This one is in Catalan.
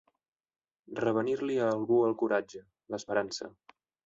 Revenir-li a algú el coratge, l'esperança.